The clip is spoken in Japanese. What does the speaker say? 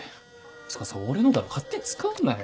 つかそれ俺のだろ勝手に使うなよ。